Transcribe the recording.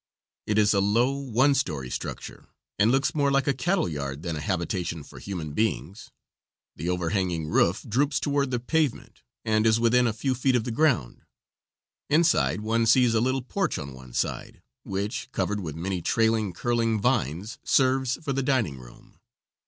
It is a low, one story structure, and looks more like a cattle yard than a habitation for human beings; the overhanging roof droops toward the pavement, and is within a few feet of the ground. Inside one sees a little porch on one side, which, covered with many trailing, curling vines, serves for the dining room.